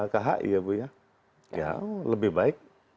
khi ya bu ya lebih baik